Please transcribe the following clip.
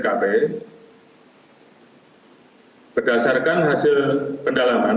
kemudian berdasarkan hasil pendalaman